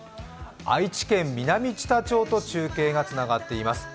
愛知県南知多町と中継がつながっています。